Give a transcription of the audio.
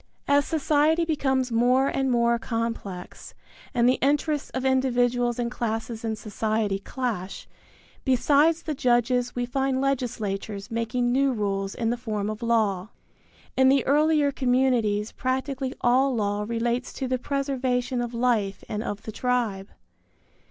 As society becomes more and more complex and the interests of individuals and classes in society clash, besides the judges we find legislatures making new rules in the form of law. In the earlier communities practically all law relates to the preservation of life and of the tribe.